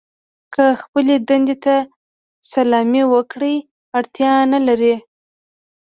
که خپلې دندې ته سلامي وکړئ اړتیا نه لرئ.